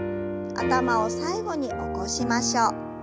頭を最後に起こしましょう。